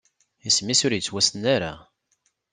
Isem-is ur yettwassen ara.